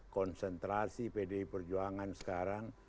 konsentrasi pdi perjuangan sekarang